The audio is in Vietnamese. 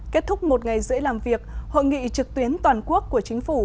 kết thúc một ngày dễ làm việc hội nghị trực tuyến toàn quốc của chính phủ